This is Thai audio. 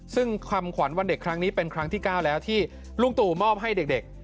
ซึ่งคำขวัญวันเด็กครั้งนี้เป็นครั้งที่๙แล้วที่ลุงตู่มอบให้เด็ก